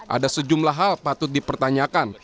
ada sejumlah hal patut dipertanyakan